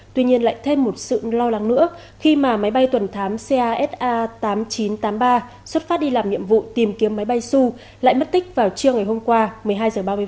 tuy nhiên lại thêm một sự lo lắng nữa khi mà máy bay tuần thám casa tám nghìn chín trăm tám mươi ba xuất phát đi làm nhiệm vụ tìm kiếm máy bay su lại mất tích vào trưa ngày hôm qua một mươi hai h ba mươi